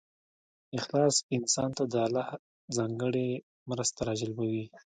اخلاص انسان ته د الله ځانګړې مرسته راجلبوي.